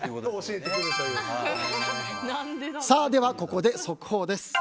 ここで速報です。